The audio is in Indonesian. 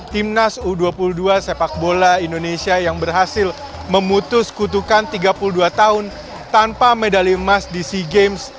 timnas u dua puluh dua sepak bola indonesia yang berhasil memutus kutukan tiga puluh dua tahun tanpa medali emas di sea games